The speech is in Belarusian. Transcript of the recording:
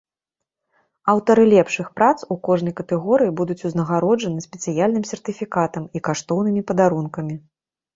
Аўтары лепшых прац у кожнай катэгорыі будуць узнагароджаны спецыяльным сертыфікатам і каштоўнымі падарункамі.